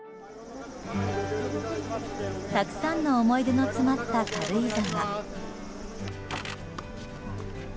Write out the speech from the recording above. たくさんの思い出の詰まった軽井沢。